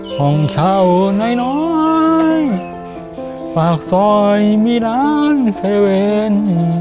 ห่างชาวหน่อยหน่อยฟากซอยมีร้านเคเว่น